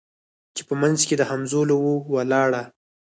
چي په منځ کي د همزولو وه ولاړه